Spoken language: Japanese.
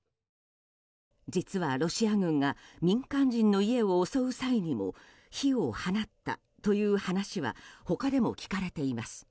実は、ロシア軍が民間人の家を襲う際にも火を放ったという話は他でも聞かれています。